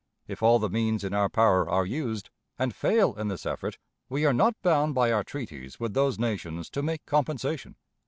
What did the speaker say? If all the means in our power are used, and fail in this effort, we are not bound by our treaties with those nations to make compensation.